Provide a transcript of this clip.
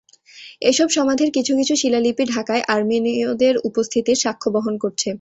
এসব সমাধির কিছু কিছু শিলালিপি ঢাকায় আর্মেনীয়দের উপস্থিতির সাক্ষ্য বহন করছে।